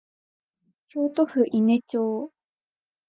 京都府伊根町